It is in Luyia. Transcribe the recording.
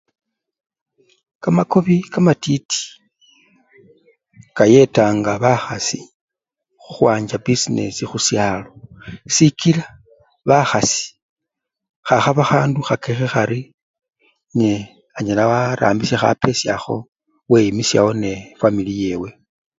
Kamakobi kamatiti kayetanga bakhasi khukhwancha bisinesi khusyalo sikila bakhasi khakhaba khandu khakekhe khari ne anyala warambisya khapesa akho weyimisyawo nefwamili yewe.